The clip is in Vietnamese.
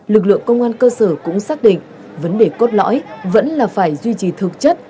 lực lượng công an cơ sở cũng xác định vấn đề cốt lõi vẫn là phải duy trì thực chất